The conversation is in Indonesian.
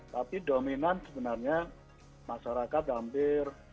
tapi dominan sebenarnya masyarakat hampir